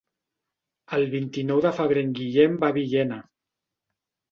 El vint-i-nou de febrer en Guillem va a Villena.